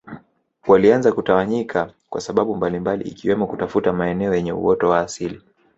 Walianza kutawanyika kwa sababu mbalimbali ikiwemo kutafuta maeneo yenye uoto wa asili